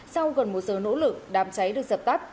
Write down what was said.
sau gần một giờ nỗ lực đám cháy được dập tắt